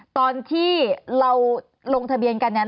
ตอนที่เราลงทะเบียนกันเนี่ย